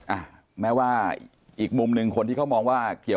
อ่ะแม้ว่าอีกมุมหนึ่งคนที่เขามองว่าเกี่ยว